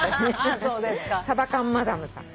サバ缶マダムさん。